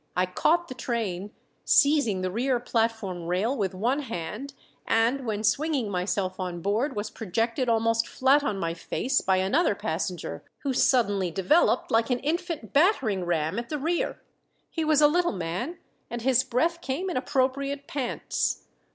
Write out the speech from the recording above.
I caught the train, seizing the rear platform rail with one hand, and when swinging myself on board was projected almost flat on my face by another passenger who suddenly developed like an infant battering ram at the rear. He was a little man, and his breath came in appropriate pants.